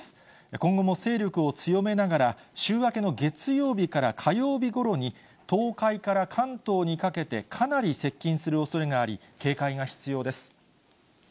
今後も勢力を強めながら週明けの月曜日から火曜日ごろに、東海から関東にかけてかなり接近するおそれがあり、警戒が必要です。